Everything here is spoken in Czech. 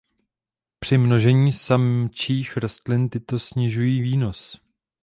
Při množení samčích rostlin tyto snižují výnos.